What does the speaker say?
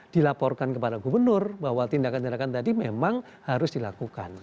dilaporkan kepada gubernur bahwa tindakan tindakan tadi memang harus dilakukan